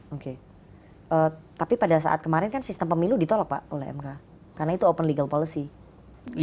oke tapi pada saat kemarin kan sistem pemilu ditolak pak oleh mk karena itu open legal policy